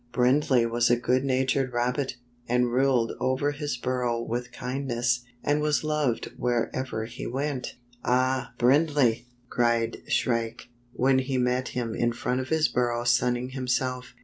Brindley was a good natured rabbit, and ruled over his burrow with kindness, and was loved wherever he went. '^Ah, Brindley!" cried Shrike, when he met him in front of his burrow sunning himself.